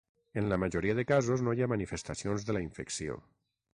En la majoria de casos no hi ha manifestacions de la infecció.